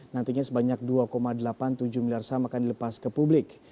nantinya sebanyak dua delapan puluh tujuh miliar saham akan dilepas ke publik